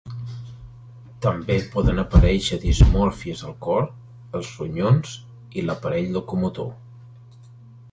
També poden aparèixer dismòrfies al cor, els ronyons i l'aparell locomotor.